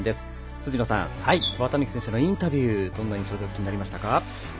辻野さん、綿貫選手のインタビューどういうふうに聞きましたか？